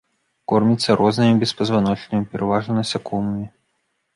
Корміцца рознымі беспазваночнымі, пераважна насякомымі.